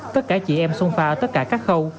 tất cả chị em xôn pha tất cả các khâu